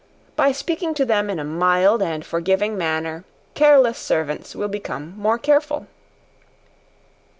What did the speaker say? By speaking to them in a mild and forgiving manner, careless servants will become more careful.